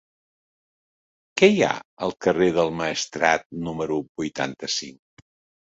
Què hi ha al carrer del Maestrat número vuitanta-cinc?